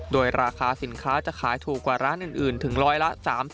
โดยราคาสินค้าจะขายถูกกว่าร้านอื่นถึงร้อยละ๓๐